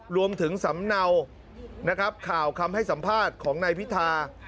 ๒๖๖๖รวมถึงสำเนานะครับข่าวคำให้สัมภาษณ์ของในพิธา